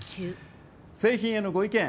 製品へのご意見